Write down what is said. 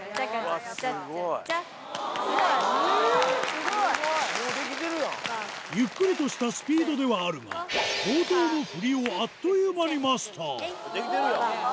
すごい。ゆっくりとしたスピードではあるが、冒頭の振りをあっという間にマスター。